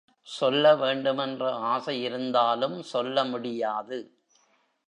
சொல்ல வேண்டுமென்ற ஆசை இருந்தாலும் சொல்ல முடியாது.